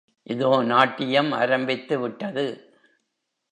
இதோ நாட்டியம் ஆரம்பித்துவிட்டது.